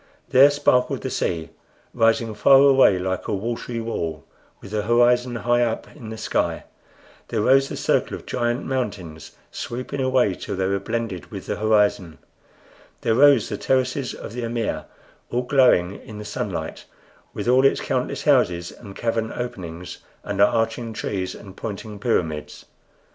There sparkled the sea, rising far away like a watery wall, with the horizon high up in the sky; there rose the circle of giant mountains, sweeping away till they were blended with the horizon; there rose the terraces of the amir, all glowing in the sunlight, with all its countless houses and cavern openings and arching trees and pointing pyramids.